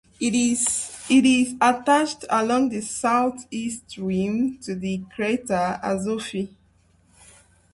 It is attached along the southeast rim to the crater Azophi.